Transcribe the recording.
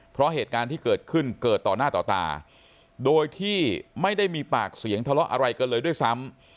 เพราะเหตุการณ์ที่เกิดขึ้นเกิดต่อหน้าต่อตาโดยที่ไม่ได้มีปากเสียงทะเลาะอะไรกันเลยด้วยซ้ำ